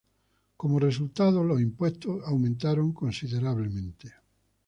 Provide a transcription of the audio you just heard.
Como resultado, los impuestos aumentaron considerablemente.